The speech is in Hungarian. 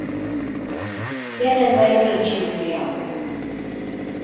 Jelenleg nincs klubja.